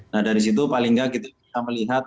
nah dari situ paling nggak kita bisa melihat